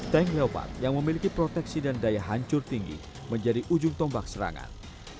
tank leopard yang memiliki proteksi dan daya hancur tinggi menjadi ujung tombak serangan